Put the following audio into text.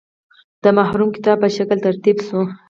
د محرم کتاب په شکل ترتیب شوی.